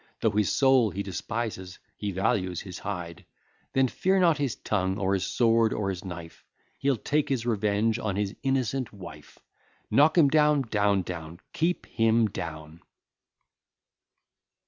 Though his soul he despises, he values his hide; Then fear not his tongue, or his sword, or his knife; He'll take his revenge on his innocent wife. Knock him down, down, down, keep him down.